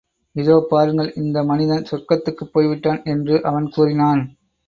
இதோ பாருங்கள், இந்த மனிதன் சொர்க்கத்துக்குப் போய்விட்டான் என்று அவன் கூறினான்.